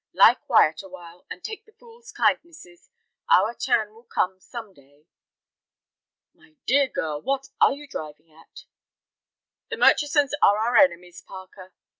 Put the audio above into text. Lie quiet a while, and take the fool's kindnesses. Our turn will come some day." "My dear girl, what are you driving at?" "The Murchisons are our enemies, Parker.